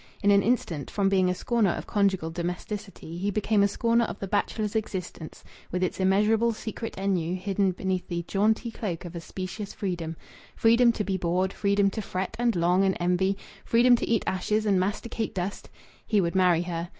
In an instant, from being a scorner of conjugal domesticity, he became a scorner of the bachelor's existence, with its immeasurable secret ennui hidden beneath the jaunty cloak of a specious freedom freedom to be bored, freedom to fret, and long and envy, freedom to eat ashes and masticate dust! He would marry her.